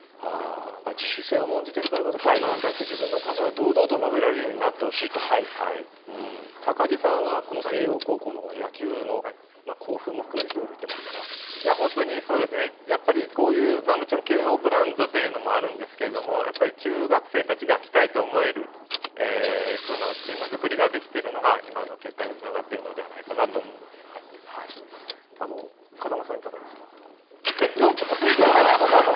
自主性を重んじているからこそ大人に対して自分の考えを堂々と述べられるように高木さんは慶応高校の野球のもちろん、慶応ブランドというのもあるんですけれども中学生たちが来たいと思える部のチーム作りができているのが今の結果につながっているのでは風間さん、いかがですか。